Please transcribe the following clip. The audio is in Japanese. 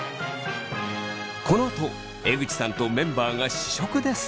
このあと江口さんとメンバーが試食です。